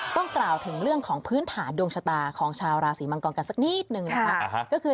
กล่าวถึงเรื่องของพื้นฐานดวงชะตาของชาวราศีมังกรกันสักนิดนึงนะคะ